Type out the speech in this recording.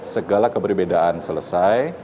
segala keberbedaan selesai